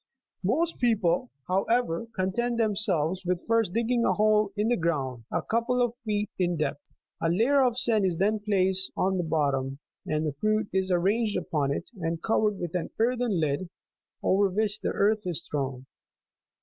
Most people, however, content themselves with first digging a hole in the ground, a couple of feet in depth ; a layer of sand is then placed at the bottom, and the fruit is arranged upon it, and covered with an earthen lid, over which the earth is thrown.